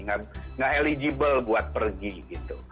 nggak eligible buat pergi gitu